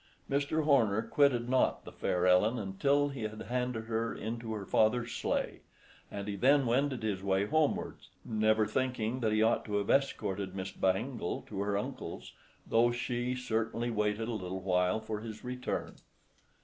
Mr. Horner quitted not the fair Ellen until he had handed her into her father's sleigh; and he then wended his way homewards, never thinking that he ought to have escorted Miss Bangle to her uncle's, though she certainly waited a little while for his return.